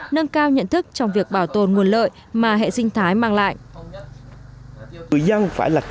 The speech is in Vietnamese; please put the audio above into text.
nâng cao nhận thức trong việc bảo tồn nguồn lợi mà hệ sinh thái mang lại